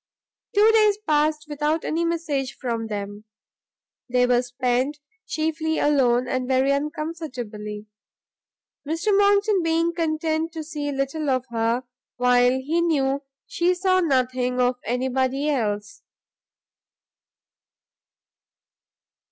Two days passed without any message from them; they were spent chiefly alone, and very uncomfortably, Mr Monckton being content to see little of her, while he knew she saw nothing of any body else.